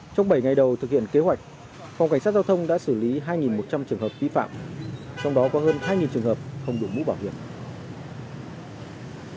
trong bảy ngày đầu thực hiện kế hoạch phòng cảnh sát giao thông đã xử lý hai một trăm linh trường hợp vi phạm trong đó có hơn hai trường hợp không đủ mũ bảo hiểm